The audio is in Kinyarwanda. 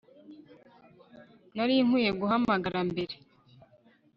Nari nkwiye guhamagara mbere